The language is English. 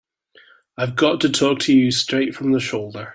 I've got to talk to you straight from the shoulder.